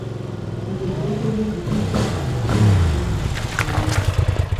І яе трэба вывесці на нармальны ўзровень успрымання.